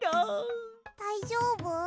だいじょうぶ？